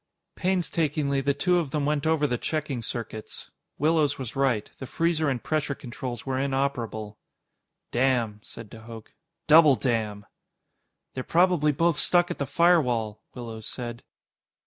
_ Painstakingly, the two of them went over the checking circuits. Willows was right. The freezer and pressure controls were inoperable. "Damn," said de Hooch. "Double damn." "They're probably both stuck at the firewall," Willows said.